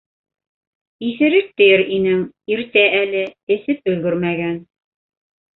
Иҫерек тиер инең - иртә әле, эсеп өлгөрмәгән.